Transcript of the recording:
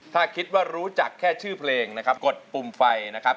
ถ้าคิดว่ารู้จักแค่ชื่อเพลงนะครับกดปุ่มไฟนะครับ